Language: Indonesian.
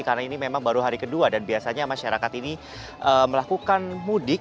karena ini memang baru hari kedua dan biasanya masyarakat ini melakukan mudik